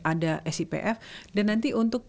ada sipf dan nanti untuk